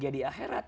bahagia di akhirat